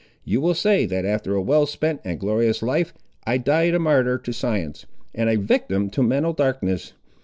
You will say that after a well spent and glorious life, I died a martyr to science, and a victim to mental darkness.